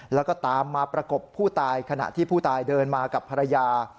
แล้วก็ตามมาประกบผู้ตายขณะที่ผู้ตายเดินมากับภรรยา